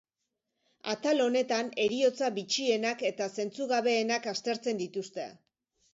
Atal honetan heriotza bitxienak eta zentzugabeenak aztertzen dituzte.